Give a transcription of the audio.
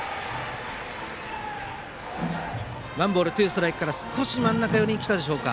ワンボール、ツーストライクから少し真ん中寄りに来たでしょうか。